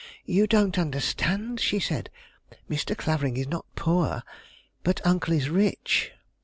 "You don't understand," she said; "Mr. Clavering is not poor; but uncle is rich.